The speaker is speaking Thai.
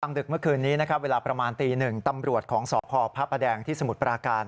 ต่างดึกเมื่อคืนนี้เวลาประมาณตี๑ตำรวจของสภพระแดงที่สมุทรปราการ